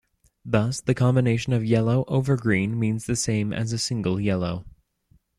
Thus the combination yellow over green means the same as a single yellow.